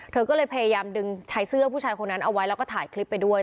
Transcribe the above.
เธอก็เลยพยายามดึงชายเสื้อผู้ชายคนนั้นเอาไว้แล้วก็ถ่ายคลิปไปด้วย